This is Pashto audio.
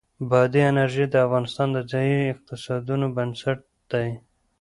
بادي انرژي د افغانستان د ځایي اقتصادونو بنسټ دی.